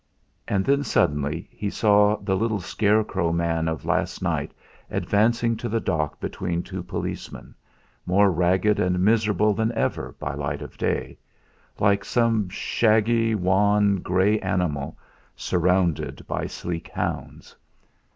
And then suddenly he saw the little scarecrow man of last night advancing to the dock between two policemen, more ragged and miserable than ever by light of day, like some shaggy, wan, grey animal, surrounded by sleek hounds.